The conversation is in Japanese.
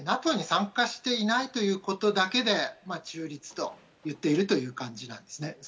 ＮＡＴＯに参加していないということだけで中立と言っているという感じなんですね。